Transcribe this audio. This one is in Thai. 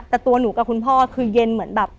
แต่ตัวหนูกับคุณพ่อคือเย็นเหมือนแบบ